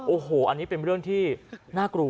โอ้โหอันนี้เป็นเรื่องที่น่ากลัว